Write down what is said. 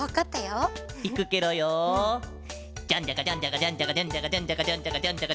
ジャンジャカジャンジャカジャンジャカジャンジャカジャンジャカ。